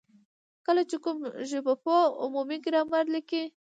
کله چي کوم ژبپوه عمومي ګرامر ليکي،